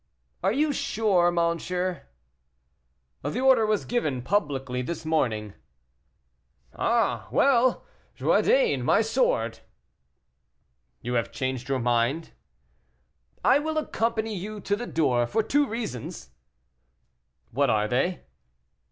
"Are you sure, monsieur?" "The order was given publicly this morning." "Ah, well; Jourdain, my sword." "You have changed your mind?" "I will accompany you to the door, for two reasons." "What are they?"